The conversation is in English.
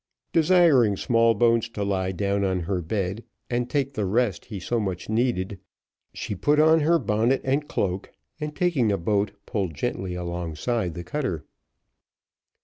Desiring Smallbones to lie down on her bed, and take the rest he so much needed, she put on her bonnet and cloak, and taking a boat, pulled gently alongside the cutter.